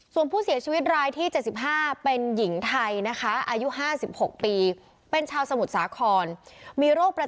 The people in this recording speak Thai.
ส่วนผู้เสียชีวิตรายที่๗๕เป็นหญิงไทยนะคะ